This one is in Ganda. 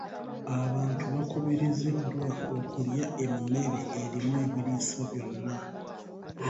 Abantu bakubiriziddwa okulya emmere erimu ebiriisa byonna.